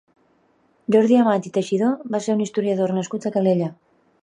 Jordi Amat i Teixidó va ser un historiador nascut a Calella.